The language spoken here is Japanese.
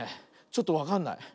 ちょっとわかんない。